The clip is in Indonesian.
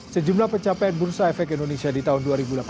sejumlah pencapaian bursa efek indonesia di tahun dua ribu delapan belas